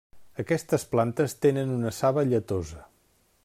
Aquestes plantes tenen una saba lletosa.